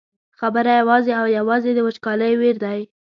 خبره یوازې او یوازې د وچکالۍ ویر دی.